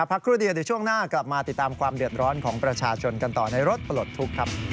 พักครู่เดียวเดี๋ยวช่วงหน้ากลับมาติดตามความเดือดร้อนของประชาชนกันต่อในรถปลดทุกข์ครับ